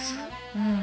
うん。